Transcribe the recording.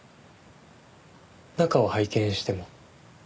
中を拝見しても？